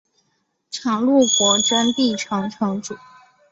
常陆国真壁城城主。